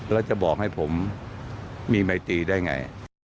แล้วจะบอกให้ผมมีไมตีได้ไง